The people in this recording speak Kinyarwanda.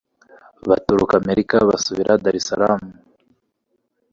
Baturuka Amerika basubira Daresalamu